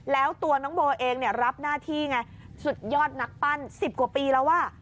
แล้วตัวน้องโบเองรับหน้าที่ไงสุดยอดนักปั้น๑๐กว่าปีแล้วอ่ะ